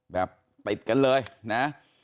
แบบติดกันเลยนะ